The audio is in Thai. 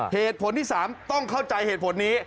เหตุผลที่๓ต้องเข้าใจเหตุผลนี้